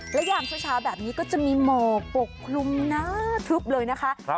และยามเช้าแบบนี้ก็จะมีหมอกปกคลุมหน้าทึบเลยนะคะ